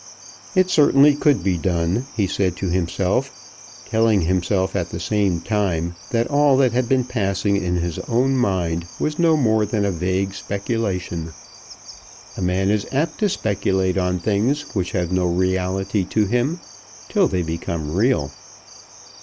It certainly could be done, he said to himself, telling himself at the same time that all that had been passing in his own mind was no more than a vague speculation. A man is apt to speculate on things which have no reality to him, till they become real.